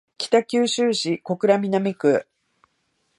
北九州市小倉南区